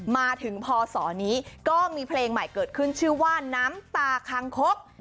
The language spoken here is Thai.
มาถึงพศนี้ก็มีเพลงใหม่เกิดขึ้นชื่อว่าน้ำตาคังคก